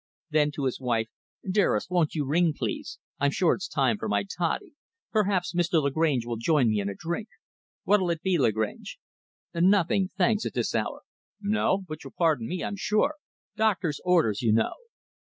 Then, to his wife "Dearest, won't you ring, please; I'm sure it's time for my toddy; perhaps Mr. Lagrange will join me in a drink. What'll it be, Lagrange?" "Nothing, thanks, at this hour." "No? But you'll pardon me, I'm sure Doctor's orders you know."